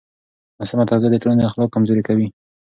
ناسمه تغذیه د ټولنې اخلاق کمزوري کوي.